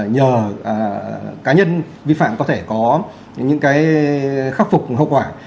nhờ cá nhân vi phạm có thể có những cái khắc phục hậu quả